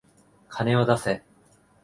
金を出せ。